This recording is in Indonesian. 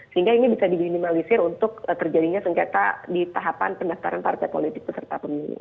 sehingga ini bisa diminimalisir untuk terjadinya sengketa di tahapan pendaftaran partai politik beserta pemilu